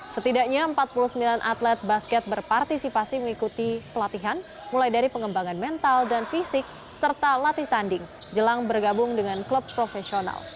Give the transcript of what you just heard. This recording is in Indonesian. setidaknya empat puluh sembilan atlet basket berpartisipasi mengikuti pelatihan mulai dari pengembangan mental dan fisik serta latih tanding jelang bergabung dengan klub profesional